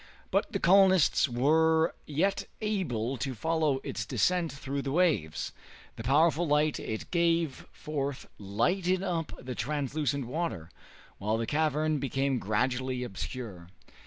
But the colonists were yet able to follow its descent through the waves. The powerful light it gave forth lighted up the translucent water, while the cavern became gradually obscure.